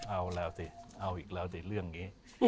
เอาแล้วสิเอาอีกแล้วสิเรื่องนี้